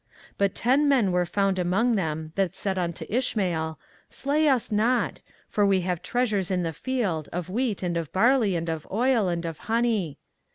24:041:008 But ten men were found among them that said unto Ishmael, Slay us not: for we have treasures in the field, of wheat, and of barley, and of oil, and of honey.